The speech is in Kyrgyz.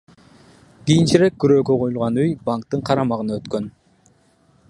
Кийинчерээк күрөөгө коюлган үй банктын карамагына өткөн.